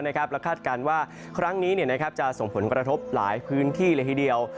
และคาดการณ์ว่าครั้งนี้จะส่งผลกระทบหลายพื้นที่เลยทีเดียว